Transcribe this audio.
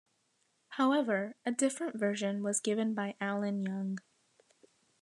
However, a different version was given by Alan Young.